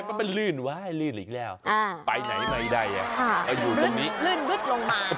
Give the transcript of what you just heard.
แต่มันลื่นว่ะลื่นอีกแล้วไปไหนไม่ได้ลื่นลึดลงมา